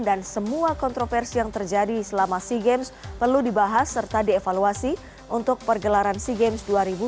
dan semua kontroversi yang terjadi selama sea games perlu dibahas serta dievaluasi untuk pergelaran sea games dua ribu dua puluh lima